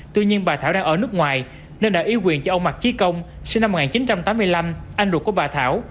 tuy nhiên bà thảo đang ở nước ngoài nên đã ý quyền cho ông mạc chí công sinh năm một nghìn chín trăm tám mươi năm anh ruột của bà thảo